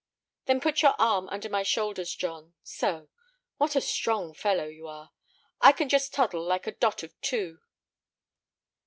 "Then put your arm under my shoulders, John—so. What a strong fellow you are! I can just toddle like a dot of two."